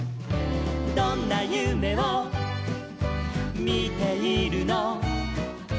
「どんなゆめをみているの」